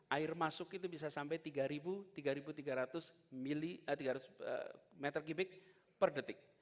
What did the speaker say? air masuk itu bisa sampai tiga ribu tiga ratus m tiga per detik